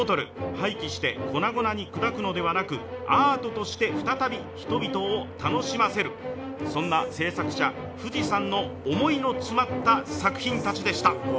廃棄して粉々に砕くのではなく、アートとして再び人々を楽しませる、そんな制作者、藤さんの思いの詰まった作品たちでした。